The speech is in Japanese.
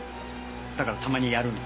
だからたまにやるの。